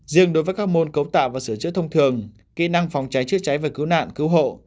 riêng đối với các môn cấu tạo và sửa chữa thông thường kỹ năng phòng cháy chữa cháy và cứu nạn cứu hộ